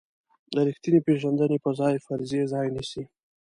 د ریښتینې پېژندنې په ځای فرضیې ځای نیسي.